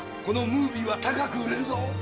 このムービーは高く売れるぞ。